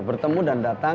bertemu dan datang